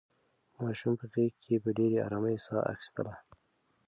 ماشوم په غېږ کې په ډېرې ارامۍ ساه اخیستله.